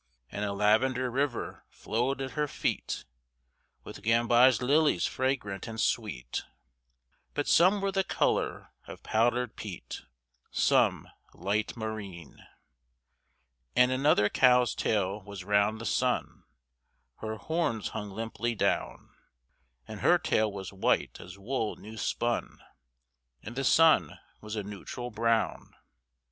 And a lavender river flowed at her feet With gamboge lilies fragrant and sweet, But some were the color of powdered peat, Some light marine. And another cow's tail was round the sun (Her horns hung limply down); And her tail was white as wool new spun, And the sun was a neutral brown.